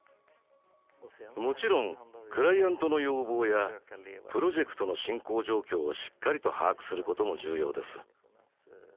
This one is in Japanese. もちろんクライアントの要望やプロジェクトの進行状況をしっかりと把握することも重要です。